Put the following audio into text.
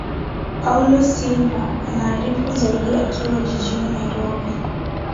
paulo silva anaarifu zaidi akiwa jijini nairobi